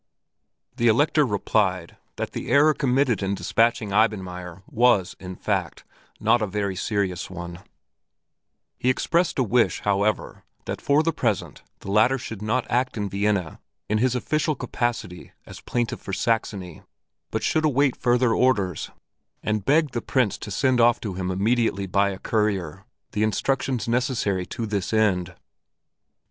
The Elector replied that the error committed in dispatching Eibenmaier was, in fact, not a very serious one; he expressed a wish, however, that, for the present, the latter should not act in Vienna in his official capacity as plaintiff for Saxony, but should await further orders, and begged the Prince to send off to him immediately by a courier the instructions necessary to this end.